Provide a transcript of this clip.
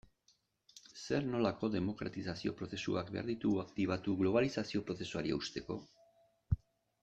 Zer nolako demokratizazio prozesuak behar ditugu aktibatu globalizazio prozesuari eusteko?